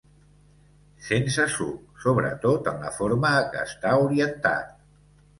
Sense suc, sobretot en la forma que està orientat.